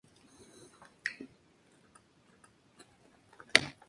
Los campos de golf no siempre han tenido dieciocho hoyos.